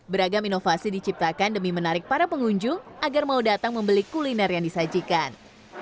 beragam inovasi diciptakan demi menarik para pengunjung agar mau datang membeli kuliner yang disajikan